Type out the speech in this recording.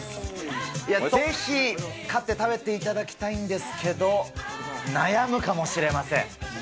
ぜひ、勝って食べていただきたいんですけど、悩むかもしれません。